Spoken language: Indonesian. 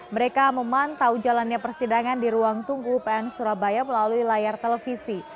mereka memantau jalannya persidangan di ruang tunggu pn surabaya melalui layar televisi